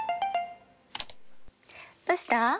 どうした？